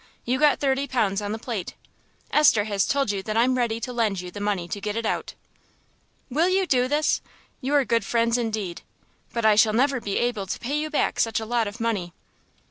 You got thirty pounds on the plate. Esther has told you that I'm ready to lend you the money to get it out." "Will you do this? You're good friends indeed.... But I shall never be able to pay you back such a lot of money."